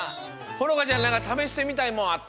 ほのかちゃんなんかためしてみたいもんあった？